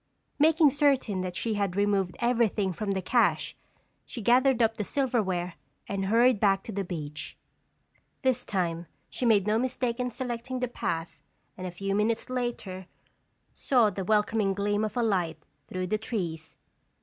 Making certain that she had removed everything from the cache, she gathered up the silverware and hurried back to the beach. This time she made no mistake in selecting the path and a few minutes later saw the welcoming gleam of a light through the trees.